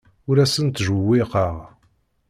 Ur asen-ttjewwiqeɣ.